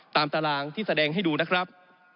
ตารางที่แสดงให้ดูนะครับ